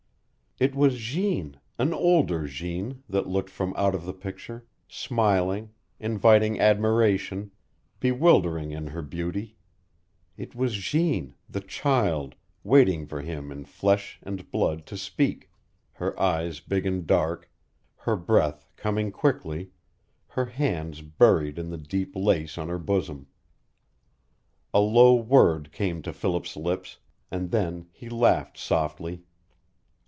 It was Jeanne, an older Jeanne, that looked from out of the picture, smiling, inviting admiration, bewildering hi her beauty; it was Jeanne, the child, waiting for him in flesh and blood to speak, her eyes big and dark, her breath coming quickly, her hands buried in the deep lace on her bosom. A low word came to Philip's lips, and then he laughed softly.